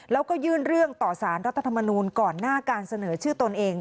แล้วก็ยื่นเรื่องต่อสารรัฐธรรมนูลก่อนหน้าการเสนอชื่อตนเอง